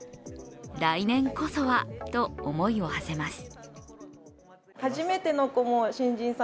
来年こそはと思いをはせます。